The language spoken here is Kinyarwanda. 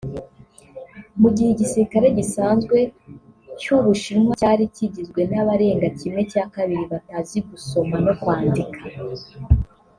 mu gihe igisirikare gisanzwe cy’u Bushinwa cyari kigizwe n’abarenga kimwe cya kabiri batazi gusoma no kwandika